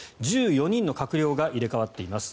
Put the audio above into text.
１４人の閣僚が入れ替わっています。